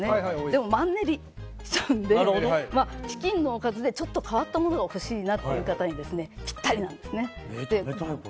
でも、マンネリしちゃうのでチキンのおかずでちょっと変わったものが欲しいなという方にぴったりなんですね。